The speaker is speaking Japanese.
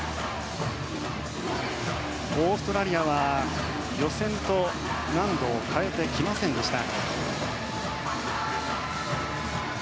オーストラリアは、予選と難度を変えてきませんでした。